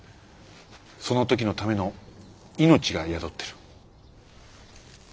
その時のための命が宿ってる。